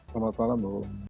selamat malam mbak wul